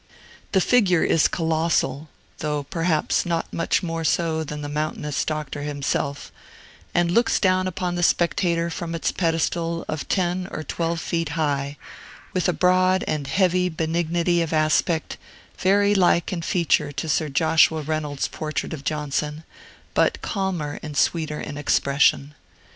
The figure is colossal (though perhaps not much more so than the mountainous Doctor himself) and looks down upon the spectator from its pedestal of ten or twelve feet high, with a broad and heavy benignity of aspect, very like in feature to Sir Joshua Reynolds's portrait of Johnson, but calmer and sweeter in expression.